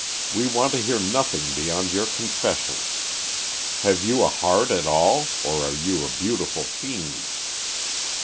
We want to hear nothing beyond your confession. Have you a heart at all, or are you a beautiful fiend?"